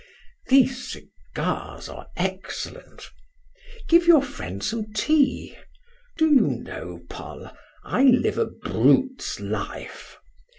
These cigars are excellent. Give your friend some tea. Do you know, Paul, I live a brute's life?